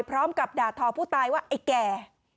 พร้อมกับด่าทอผู้ตายว่าไอ้แก่